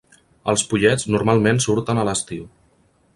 Els pollets normalment surten a l'estiu.